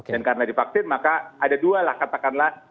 dan karena divaksin maka ada dua lah katakanlah